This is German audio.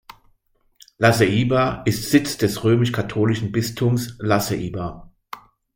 La Ceiba ist Sitz des römisch-katholischen Bistums La Ceiba.